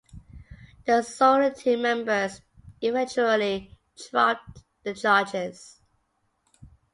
The sorority members eventually dropped the charges.